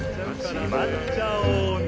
しまっちゃおうね。